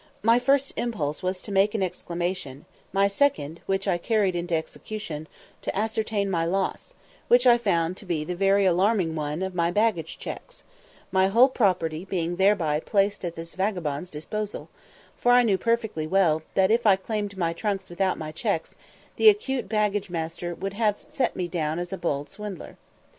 My first impulse was to make an exclamation, my second, which I carried into execution, to ascertain my loss; which I found to be the very alarming one of my baggage checks; my whole property being thereby placed at this vagabond's disposal, for I knew perfectly well, that if I claimed my trunks without my checks, the acute baggage master would have set me down as a bold swindler.